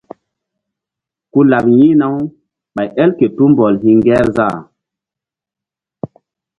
Ku laɓ yi̧hna-u ɓay el ke tumbɔl hi̧ŋgerzah.